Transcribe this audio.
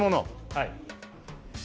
はい。